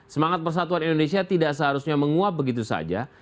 semangat persatuan indonesia tidak seharusnya menguap begitu saja